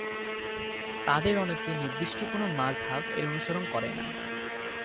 তাদের অনেকে নির্দিষ্ট কোন মাযহাব এর অনুসরণ করে না।